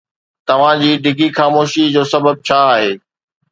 توهان جي ڊگهي خاموشي جو سبب ڇا آهي؟